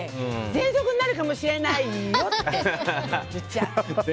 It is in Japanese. ぜんそくになるかもしれないよ